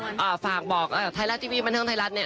อ๋อค่ะแล้วไออ่าฝากบอกอ่าไทยรัสทีวีบันเทิงไทยรัสเนี่ย